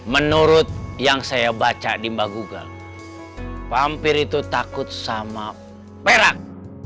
menurut yang saya baca di mbah google mampir itu takut sama perak